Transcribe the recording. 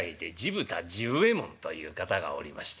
部右衛門という方がおりまして。